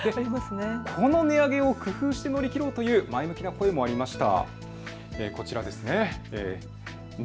この値上げを工夫して乗り越えようという前向きな声もありました。